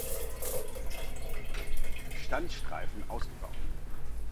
Standstreifen ausgebaut.